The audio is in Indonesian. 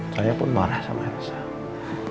saya pun marah sama aksa